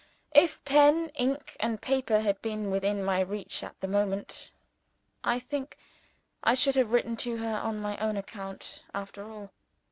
If pen, ink, and paper had been within my reach at the moment, I think I should have written to her on my own account, after all!